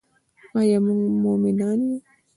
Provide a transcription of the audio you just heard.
آیا موږ مومنان یو؟